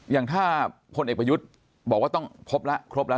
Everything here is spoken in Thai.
อย่างถ้าคนเอกประยุทธ์บอกว่าต้องครบแล้ว